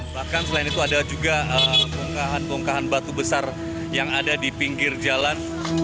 bahkan selain itu ada juga bongkahan bongkahan batu besar yang ada di pinggir jalan